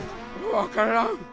分からん。